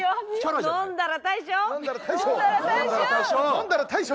「飲んだら大将」！